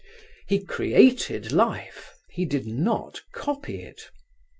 He created life, he did not copy it.